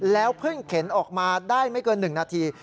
เพิ่งเข็นออกมาได้ไม่เกิน๑นาที